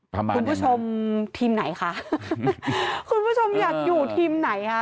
คุณผู้ชมทีมไหนคะคุณผู้ชมอยากอยู่ทีมไหนคะ